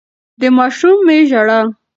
د ماشومې ژړا